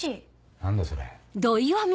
何だそれ。